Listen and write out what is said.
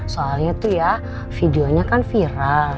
soalnya tuh ya videonya kan viral